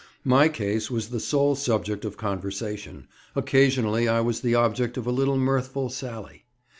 My case was the sole subject of conversation; occasionally I was the object of a little mirthful sally.